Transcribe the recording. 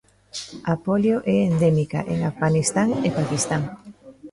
A polio é endémica en Afganistán e Paquistán.